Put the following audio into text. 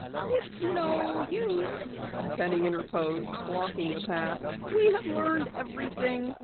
"It's no use," Penny interposed, blocking the path. "We have learned everything.